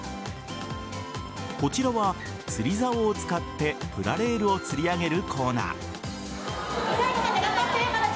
こちらは釣りざおを使ってプラレールを釣り上げるコーナー。